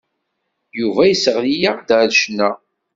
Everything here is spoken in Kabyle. Yuba yesseɣli-aɣ-d ar ccna.